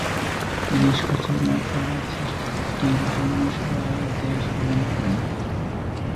তিনি সচেতনতা সৃষ্টির জন্য সারা দেশ ভ্রমণ করেন।